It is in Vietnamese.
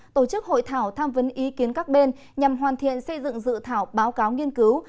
tổ chức hội thảo tham vấn ý kiến các bên nhằm hoàn thiện xây dựng dự thảo báo cáo nghiên cứu